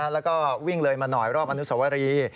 แล้วก็วิ่งเลยมาหน่อยรอบอนุสวรี